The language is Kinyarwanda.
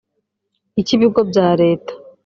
icy’ibigo bya Leta